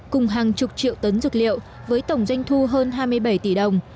cùng hàng chục triệu tấn dược liệu với tổng doanh thu hơn hai mươi bảy tỷ đồng